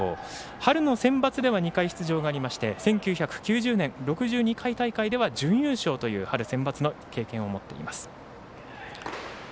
春のセンバツでは２回出場がありまして１９９０年、６２回大会では準優勝という春センバツの経験を持っています。